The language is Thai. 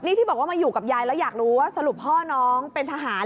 นี่ที่บอกว่ามาอยู่กับยายแล้วอยากรู้ว่าสรุปพ่อน้องเป็นทหาร